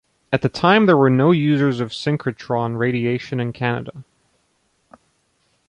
At that time there were no users of synchrotron radiation in Canada.